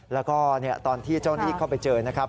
แล้วก็ตอนที่เจ้าหน้าที่เข้าไปเจอนะครับ